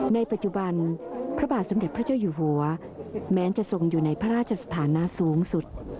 ในปัจจุบันพระบาทสมเด็จพระเจ้าอยู่หัวแม้จะทรงอยู่ในพระราชสถานะสูงสุด